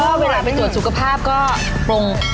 ก็เวลาไปตรวจสุขภาพก็ปลง